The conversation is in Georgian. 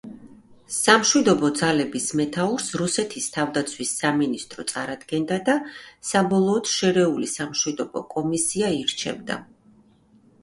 სამშვიდობო ძალების მეთაურს რუსეთის თავდაცვის სამინისტრო წარადგენდა და საბოლოოდ შერეული სამშვიდობო კომისია ირჩევდა.